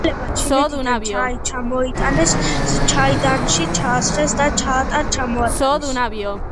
ჩინელებმა ჩინეთიდან ჩაი ჩამოიტანეს ჩაიდანში ჩაასხეს და ჩაატარ ჩამოატარეს.